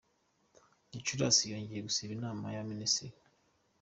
Gicurasi: Yongeye gusiba inama y’ abaminisitiri.